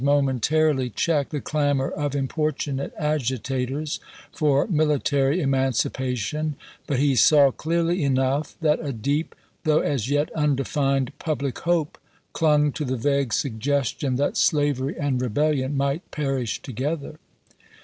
momentarily cheeked the clamor of importunate agitators for military emancipation ; but he saw clearly enough that a deep, though as yet undefined, public hope clung to the vague suggestion that slavery and rebellion might perish together.